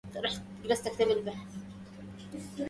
قوم كئوسهم السيوف وخمرهم